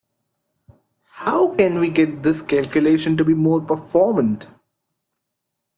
How can we get this calculation to be more performant?